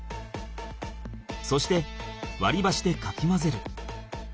そしてわりばしでかき混ぜる。